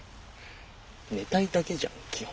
寝たいだけじゃん基本。